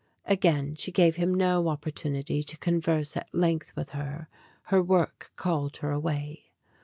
Again she gave him no opportunity to converse at length with her; her work called her away.